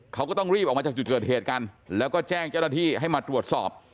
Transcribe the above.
เขาก็ต้องรีบออกมาจากจุดเกิดเหตุกันแล้วก็แจ้งเจ้าหน้าที่ให้มาตรวจสอบ